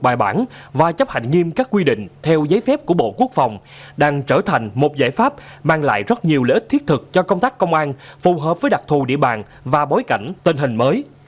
bài bản và chấp hành nghiêm các quy định theo giấy phép của bộ quốc phòng đang trở thành một giải pháp mang lại rất nhiều lợi ích thiết thực cho công tác công an phù hợp với đặc thù địa bàn và bối cảnh tình hình mới